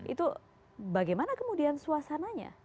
itu bagaimana kemudian suasananya